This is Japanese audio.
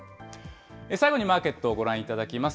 最後にマーケットをご覧いただきます。